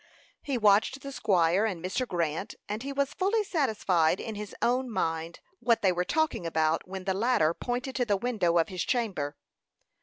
He watched the squire and Mr. Grant, and he was fully satisfied in his own mind what they were talking about when the latter pointed to the window of his chamber.